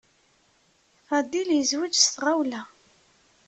Fadil yezweǧ s tɣawla.